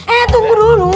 eh tunggu dulu